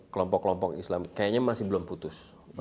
kelompok kelompok islam kayaknya masih belum putus